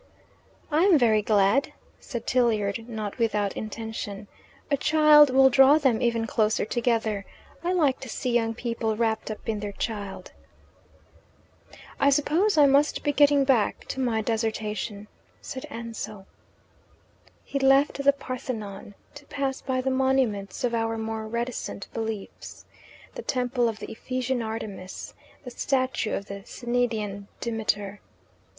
"I am very glad," said Tilliard, not without intention. "A child will draw them even closer together. I like to see young people wrapped up in their child." "I suppose I must be getting back to my dissertation," said Ansell. He left the Parthenon to pass by the monuments of our more reticent beliefs the temple of the Ephesian Artemis, the statue of the Cnidian Demeter.